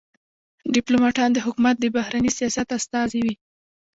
ډيپلوماټان د حکومت د بهرني سیاست استازي وي.